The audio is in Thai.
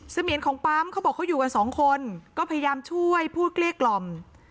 เสมียนของปั๊มเขาบอกเขาอยู่กันสองคนก็พยายามช่วยพูดเกลี้ยกล่อม